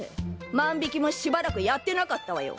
万引きもしばらくやってなかったわよ！